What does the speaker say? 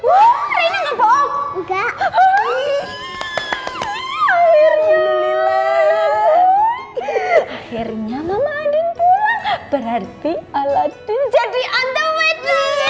akhirnya mama adin pulang berarti aladdin jadi andowet